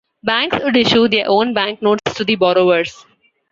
Banks would issue their own bank notes to the borrowers.